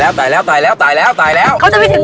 แจงอย่าแจงอย่าแจง